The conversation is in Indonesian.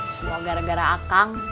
semoga gara gara akang